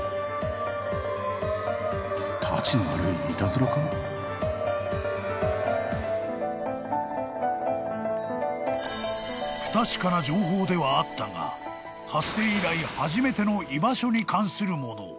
しかし［不確かな情報ではあったが発生以来初めての居場所に関するもの］